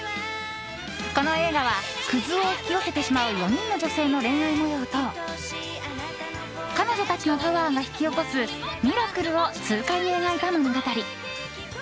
この映画はクズ男を引き寄せてしまう４人の女性の恋愛もようと彼女たちのパワーが引き起こすミラクルを痛快に描いた物語。